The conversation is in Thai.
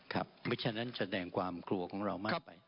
เพราะฉะนั้นแสดกความกลัวของเรา